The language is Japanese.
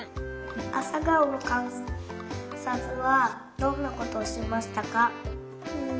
あさがおのかんさつはどんなことをしましたか。